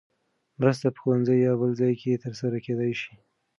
مرسته په ښوونځي یا بل ځای کې ترسره کېدای شي.